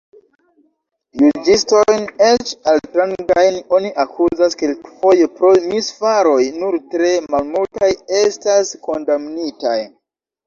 Juĝistojn, eĉ altrangajn, oni akuzas kelkfoje pro misfaroj: nur tre malmultaj estas kondamnitaj.